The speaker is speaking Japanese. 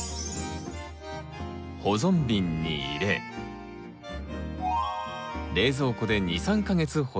保存瓶に入れ冷蔵庫で２３か月保存できます。